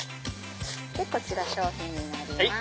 こちら商品になります。